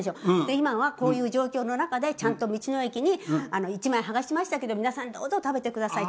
今はこういう状況の中でちゃんと道の駅に「一枚剥がしましたけど皆さんどうぞ食べてください」